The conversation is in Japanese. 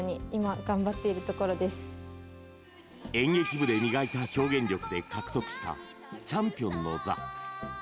演劇部で磨いた表現力で獲得したチャンピオンの座。